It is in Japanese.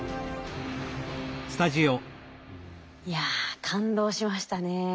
いや感動しましたね。